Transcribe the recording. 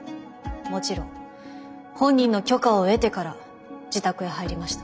もちろん本人の許可を得てから自宅へ入りました。